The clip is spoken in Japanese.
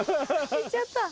行っちゃった。